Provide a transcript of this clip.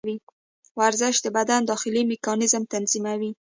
ورزش د بدن داخلي میکانیزم تنظیموي.